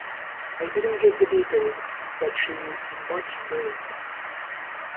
I didn't get the details, but she is much braced.